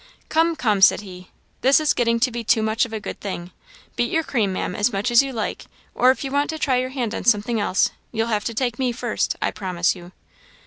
"Come, come!" said he, "this is getting to be too much of a good thing. Beat your cream, Maam, as much as you like; or if you want to try your hand on something else, you'll have to take me first, I promise you."